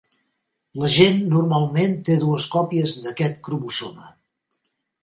La gent normalment té dues còpies d'aquest cromosoma.